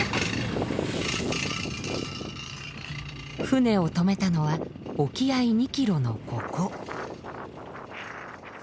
船をとめたのは沖合２キロのここ。